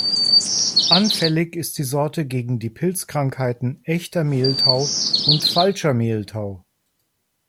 Anfällig ist die Sorte gegen die Pilzkrankheiten Echter Mehltau und Falscher Mehltau.